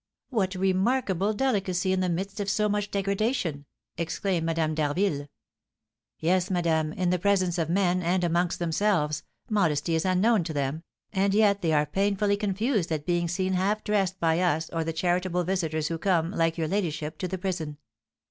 '" "What remarkable delicacy in the midst of so much degradation!" exclaimed Madame d'Harville. "Yes, madame, in the presence of men, and amongst themselves, modesty is unknown to them, and yet they are painfully confused at being seen half dressed by us or the charitable visitors who come, like your ladyship, to the prison.